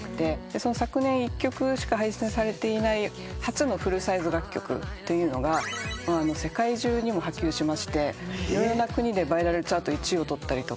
昨年１曲しか配信されていない初のフルサイズ楽曲が世界中にも波及しまして色々な国でバイラルチャート１位を取ったりとか。